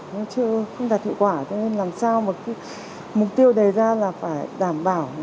nó không đạt hiệu quả cho nên làm sao mục tiêu đầy ra là phải đảm bảo